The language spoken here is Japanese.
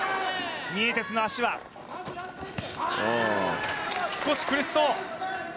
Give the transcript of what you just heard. ニエテスの足は少し苦しそう。